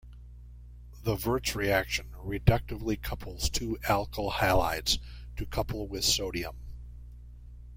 The Wurtz reaction reductively couples two alkyl halides to couple with sodium.